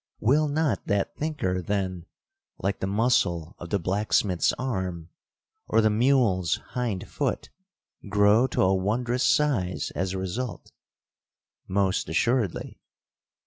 Will not that thinker then, like the muscle of the blacksmith's arm, or the mule's hind foot, grow to a wondrous size as a result? Most assuredly.